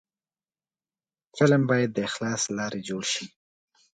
فلم باید د اخلاص له لارې جوړ شي